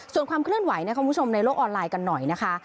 ส่วนความเคลื่อนไหวนะคุณผู้ชมในโลกออนไลน์กันหน่อยนะคะ